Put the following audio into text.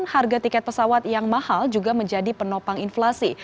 harga tiket pesawat yang mahal juga menjadi penopang inflasi